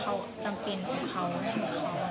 คิดว่าจะได้เรียนรับบรรยายที่โรงสร้าง